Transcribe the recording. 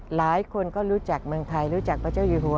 หลายคนก็รู้จักเมืองไทยรู้จักพระเจ้าอยู่หัว